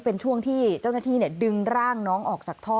เป็นช่วงที่เจ้าหน้าที่ดึงร่างน้องออกจากท่อ